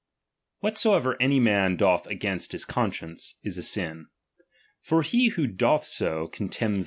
Whatsoever any man doth against his con Tta'snbjectarto science, is a sin; for he who doth so, contemns